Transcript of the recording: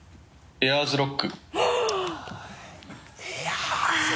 「エアーズロック」！